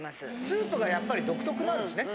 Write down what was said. スープがやっぱり独特なんですね